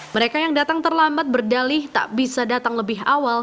mereka yang datang terlambat berdalih tak bisa datang lebih awal